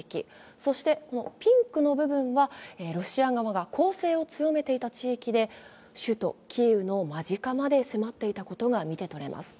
そしてピンクの部分は、ロシア側が攻勢を強めていた地域で、首都キーウの間近まで迫っていたことが見てとれます。